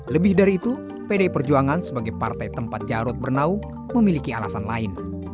lebih dari itu pdi perjuangan sebagai partai tempat jarod bernaung memiliki alasan lain